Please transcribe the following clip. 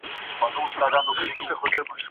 اقتصاد د تولیدي منابعو کمښت تحلیلوي.